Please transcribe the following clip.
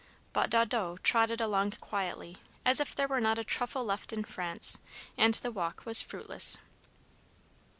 But Daudot trotted along quietly, as if there were not a truffle left in France, and the walk was fruitless.